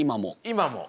今も。